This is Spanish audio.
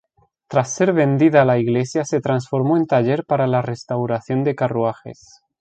Tras ser vendida la iglesia se transformó en taller para la restauración de carruajes.